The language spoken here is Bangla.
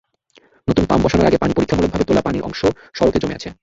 নতুন পাম্প বসানোর আগে পানি পরীক্ষামূলকভাবে তোলা পানির অংশ সড়কে জমে আছে।